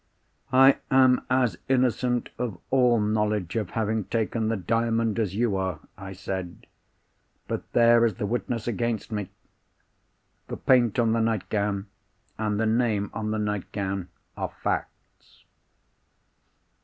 "I am as innocent of all knowledge of having taken the Diamond as you are," I said. "But there is the witness against me! The paint on the nightgown, and the name on the nightgown are facts."